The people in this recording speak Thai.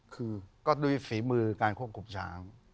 คือก็ด้วยฝีมือการควบคุมช้าง